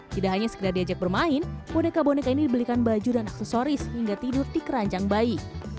tidak hanya sekedar diajak bermain boneka boneka ini dibelikan baju dan aksesoris hingga tidur di keranjang bayi